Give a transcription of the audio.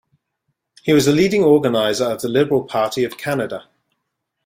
He was a leading organizer of the Liberal Party of Canada.